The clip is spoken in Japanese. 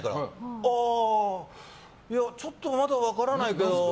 ああいやちょっとまだ分からないけど。